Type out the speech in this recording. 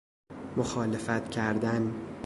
مخالفت کردن